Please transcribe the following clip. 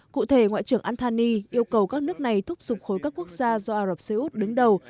cụ thể ngoại trưởng antoni yêu cầu các nước này thúc giục khối các quốc gia do ả rập xê út đứng đầu